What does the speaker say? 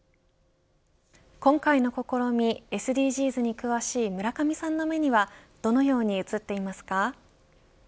今回の試み、ＳＤＧｓに詳しい村上さんの目にはどのように映っていますか。